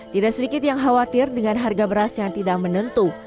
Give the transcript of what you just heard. tidak sedikit yang khawatir dengan harga beras yang tidak menentu